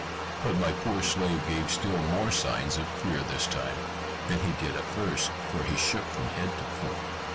But my poor slave gave still more signs of fear this time, than he did at first: for he shook from head to foot.